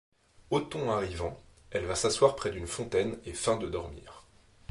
Othon arrivant, elle va s'asseoir près d'une fontaine et feint de dormir.